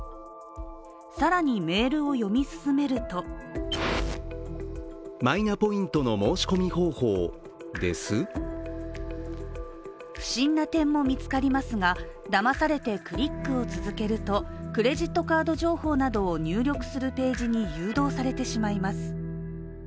更にメールを読み進めると不審な点も見つかりますが、だまされてクリックを続けると、クレジットカード情報などを入力するページに誘導されてしまいます。